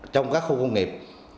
trong các khu công nghiệp